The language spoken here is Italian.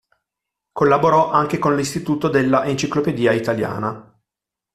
Collaborò anche con l'Istituto della Enciclopedia Italiana.